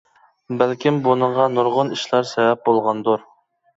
بەلكىم بۇنىڭغا نۇرغۇن ئىشلار سەۋەب بولغاندۇر.